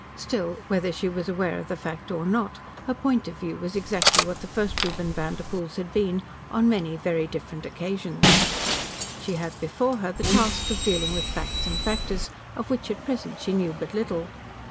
Still, whether she was aware of the fact or not, her point of view was exactly what the first Reuben Vanderpoel's had been on many very different occasions. She had before her the task of dealing with facts and factors of which at present she knew but little.